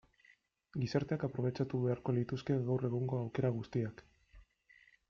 Gizarteak aprobetxatu beharko lituzke gaur egungo aukera guztiak.